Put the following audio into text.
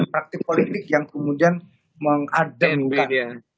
praktik politik yang kemudian mengadengkan